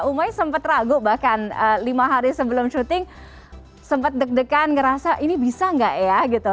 umai sempat ragu bahkan lima hari sebelum syuting sempat deg degan ngerasa ini bisa nggak ya gitu